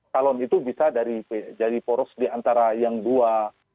calon itu bisa jadi poros diantara yang dua